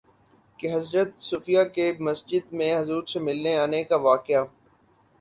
کہ حضرت صفیہ کے مسجد میں حضور سے ملنے آنے کا واقعہ